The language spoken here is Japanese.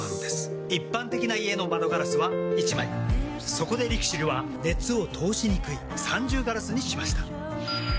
そこでＬＩＸＩＬは熱を通しにくい三重ガラスにしました。